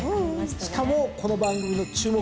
しかもこの番組の注目